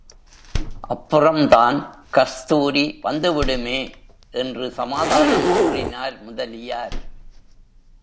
அப்புறம்தான் கஸ்தூரி வந்துவிடுமே! என்று சமாதானம் கூறினார் முதலியார்.